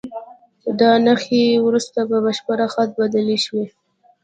دا نښې وروسته په بشپړ خط بدلې شوې.